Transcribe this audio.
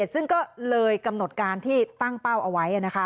ซึ่งก็เลยกำหนดการที่ตั้งเป้าเอาไว้